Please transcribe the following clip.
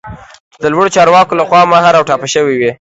چې د لوړو چارواکو لخوا مهر او ټاپه شوی وي